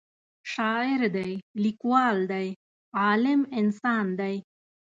شاعر دی لیکوال دی عالم انسان دی